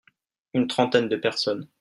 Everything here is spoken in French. Une trentaine de personnes.